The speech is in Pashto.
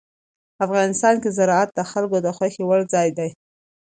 افغانستان کې زراعت د خلکو د خوښې وړ ځای دی.